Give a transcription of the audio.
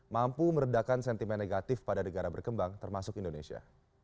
mampu meredakan sentimen negatif pada negara berkembang termasuk indonesia